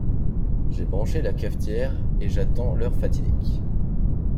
J’ai branché la cafetière et j'attends l'heure fatidique.